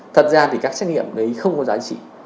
thật ra thì các xét nghiệm đấy không có giá trị